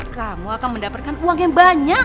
kamu akan mendapatkan uang yang banyak